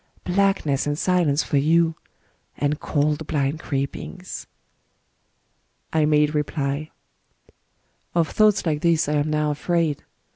Blackness and silence for you, — and cold blind creepings." I made reply :—^^ Of thoughts like these I am now afraid.